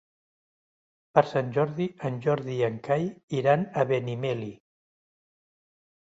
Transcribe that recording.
Per Sant Jordi en Jordi i en Cai iran a Benimeli.